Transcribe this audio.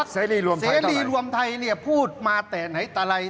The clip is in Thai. เซรีรวมไทยเท่าไหร่เซรีรวมไทยเนี้ยพูดมาแต่ไหนตลาย